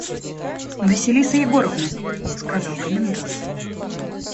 «Василиса Егоровна! – сказал комендант.